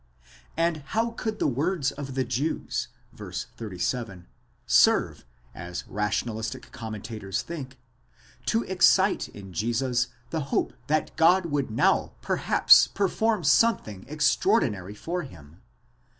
*® And how could the words of the Jews v. 37, serve, as rationalistic commentators think, to excite in Jesus the hope that «God would now perhaps perform something extraordinary for him?